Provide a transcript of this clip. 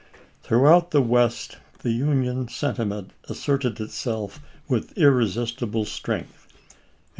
Throughout the West the Union sentiment as serted itself with irresistible strength.